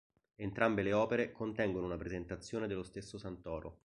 Entrambe le opere contengono una presentazione dello stesso Santoro.